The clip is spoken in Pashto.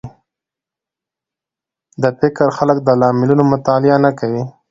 د فکر خلک د لاملونو مطالعه نه کوي